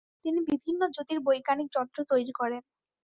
তিনি বিভিন্ন জ্যোতির্বৈজ্ঞানিক যন্ত্র তৈরি করেন।